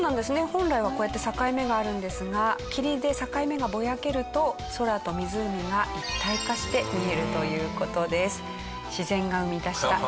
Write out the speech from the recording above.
本来はこうやって境目があるんですが霧で境目がぼやけると空と湖が一体化して見えるという事です。